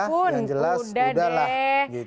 ya ampun udah deh